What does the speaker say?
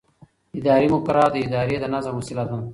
اداري مقررات د ادارې د نظم وسیله ده.